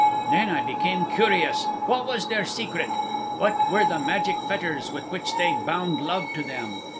Then I became curious. What was their secret? What were the magic fetters with which they bound Love to them?